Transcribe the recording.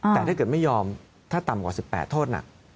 แต่ถ้าเกิดไม่ยอมถ้าต่ำกว่า๑๘โทษหนัก